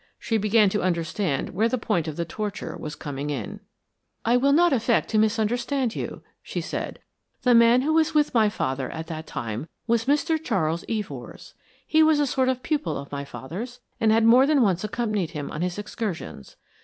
She began to understand where the point of the torture was coming in. "I will not affect to misunderstand you," she said. "The man who was with my father at that time was Mr. Charles Evors. He was a sort of pupil of my father's, and had more than once accompanied him on his excursions.